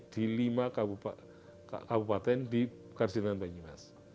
di lima kabupaten di karjalan banjimas